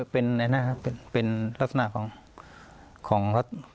เป็นลักษณะของ